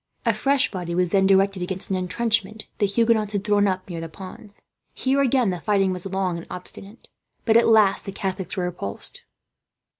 A fresh body was then directed against an intrenchment the Huguenots had thrown up, near the ponds. Here again the fighting was long and obstinate, but at last the Catholics were repulsed.